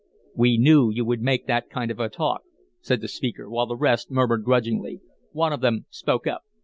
"We knew you would make that kind of a talk," said the speaker, while the rest murmured grudgingly. One of them spoke up.